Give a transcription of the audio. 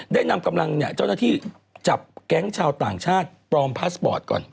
นำกำลังเนี่ยเจ้าหน้าที่จับแก๊งชาวต่างชาติปลอมพาสปอร์ตก่อน